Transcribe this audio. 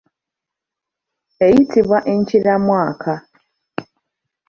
Eyitibwa enkiramwaka.